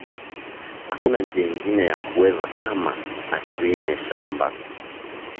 Akuna njia ingine yaku weza kama atu rime mashamba